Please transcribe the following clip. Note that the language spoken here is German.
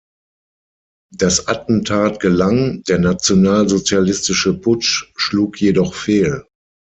Das Attentat gelang, der nationalsozialistische Putsch schlug jedoch fehl.